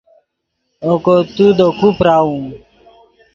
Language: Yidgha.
اوکو تو دے کو پراؤم